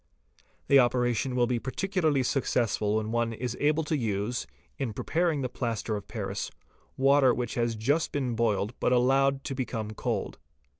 The operation will be particularly successful when one is able to use, in preparing the plaster of paris, water which has just been boiled but allowed to become cold.